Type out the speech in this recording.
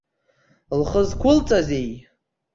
Лхы зқәылҵазеи?